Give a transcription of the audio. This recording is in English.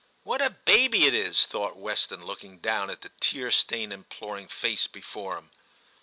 ' What a baby it is,' thought Weston, look ing down at the tear stained imploring face before him.